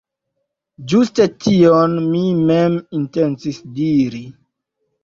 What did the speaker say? Ĝuste tion mi mem intencis diri.